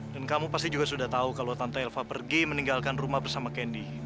dan kamu pasti juga sudah tau kalau tante elva pergi meninggalkan rumah bersama candy